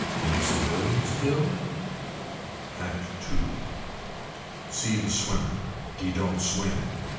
Any civilians killed. Act II. See the swimmer. He don't swim.